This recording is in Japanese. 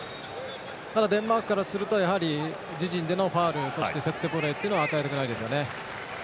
ただ、デンマークからするとやはり、自陣でのファウルそしてセットプレーは与えたくないですよね。